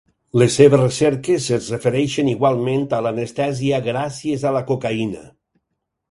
Les seves recerques es refereixen igualment a l'anestèsia gràcies a la cocaïna.